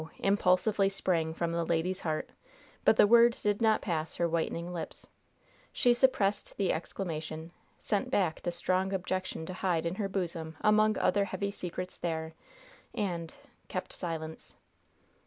impulsively sprang from the lady's heart; but the word did not pass her whitening lips. She suppressed the exclamation, sent back the strong objection to hide in her bosom among other heavy secrets there, and kept silence.